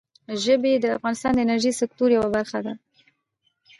ژبې د افغانستان د انرژۍ سکتور یوه برخه ده.